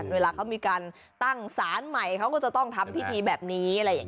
เวลามีการตั้งสารใหม่เขาก็จะต้องทำพิธีแบบนี้